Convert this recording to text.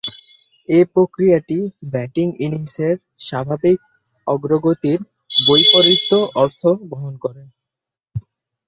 এ প্রক্রিয়াটি ব্যাটিং ইনিংসের স্বাভাবিক অগ্রগতির বৈপরীত্য অর্থ বহন করে।